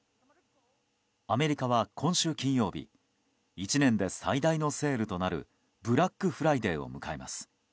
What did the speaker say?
アメリカは今週金曜日１年で最大のセールとなるブラックフライデーを迎えます。